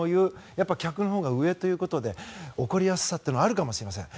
やっぱり客のほうが上ということで怒りやすさっていうのはあるかもしれません。